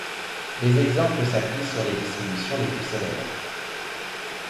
Des exemples s'appuient sur les distributions les plus célèbres.